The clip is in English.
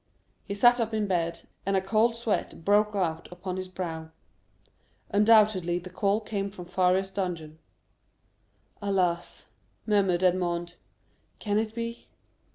He sat up in bed and a cold sweat broke out upon his brow. Undoubtedly the call came from Faria's dungeon. "Alas," murmured Edmond; "can it be?"